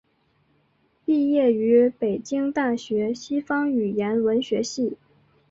毕业于北京大学西方语言文学系。